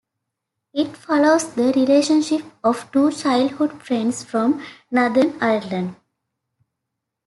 It follows the relationship of two childhood friends from Northern Ireland.